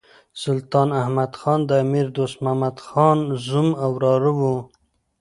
سلطان احمد خان د امیر دوست محمد خان زوم او وراره وو.